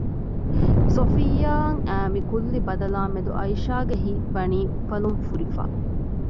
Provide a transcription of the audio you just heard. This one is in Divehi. ސޮފިއްޔާއަށް އައި މިކުއްލި ބަދަލާމެދު އައިޝާގެ ހިތްވަނީ އުފަލުން ފުރިފަ